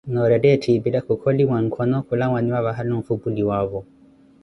Nooretta etthipile, khukholiwa nkhono khulawaniwa vahali onfhupuliwavo.